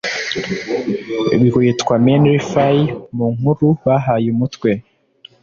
rwitwa menlify mu nkuru bahaye umutwe